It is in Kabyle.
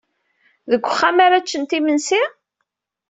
Deg uxxam ara ččent imensi?